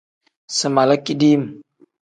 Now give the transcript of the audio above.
Si mala kidim.